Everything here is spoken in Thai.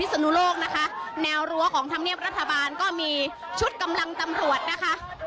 สนุโลกนะคะแนวรั้วของธรรมเนียบรัฐบาลก็มีชุดกำลังตำรวจนะคะ